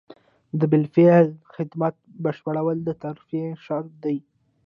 د بالفعل خدمت بشپړول د ترفیع شرط دی.